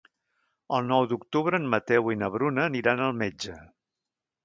El nou d'octubre en Mateu i na Bruna aniran al metge.